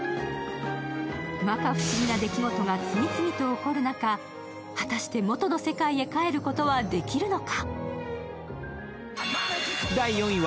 まか不思議な出来事が次々と起こる中、果たして、元の世界へ帰ることはできるのか。